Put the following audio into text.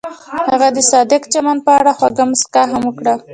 هغې د صادق چمن په اړه خوږه موسکا هم وکړه.